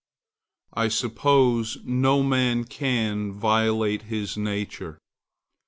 I suppose no man can violate his nature.